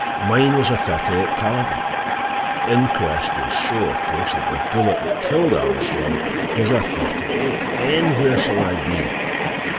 Mine was a thirty eight caliber. The inquest will show, of course, that the bullet that killed Armstrong was a thirty eight. Then where shall I be?"